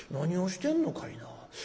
何をしてんのかいな。